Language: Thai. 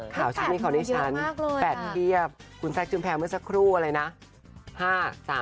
ข่าวชื่อนี้เขาในชั้น๘เยี่ยมคุณแซคจูนแพงเมื่อสักครู่อะไรนะ๕๓๗ปะ